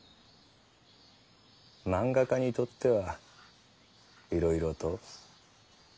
漫画家にとってはいろいろと。